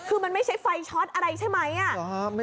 คือมันไม่ใช่ไฟช็อตอะไรใช่ไหม